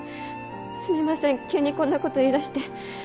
すみません急にこんな事言い出して。